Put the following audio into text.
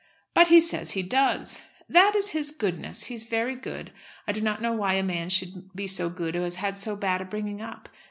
"But he says he does." "That is his goodness. He is very good. I do not know why a man should be so good who has had so bad a bringing up.